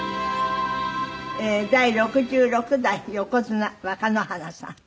第６６代横綱若乃花さん。